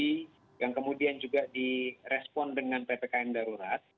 yang kemudian juga di respon dengan ppkm darurat